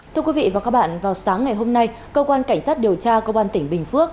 thưa quý vị và các bạn vào sáng ngày hôm nay cơ quan cảnh sát điều tra công an tỉnh bình phước